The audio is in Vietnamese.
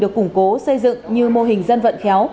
được củng cố xây dựng như mô hình dân vận khéo